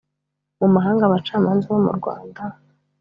mu mahanga abacamanza bo mu Rwanda